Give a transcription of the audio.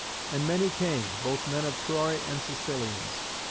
And many came, both men of Troy and Sicilians.